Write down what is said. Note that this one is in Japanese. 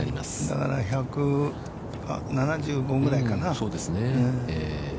だから、１７５ぐらいかな。